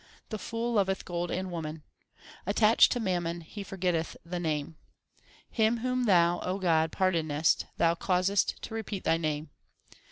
The fool loveth gold and woman ; Attached to mammon he forgetteth the Name. Him whom Thou, God, pardonest Thou causest to repeat Thy name.